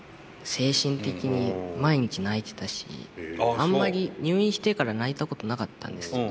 あんまり入院してから泣いたことなかったんですけど。